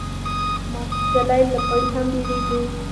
مار چیچلی له پړي هم بېريږي.